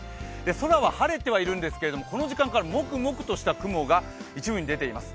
空は晴れてはいるんですけれどもこの時間からもくもくとした雲が、一部に出ています。